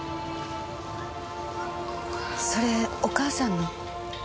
それお母さんの。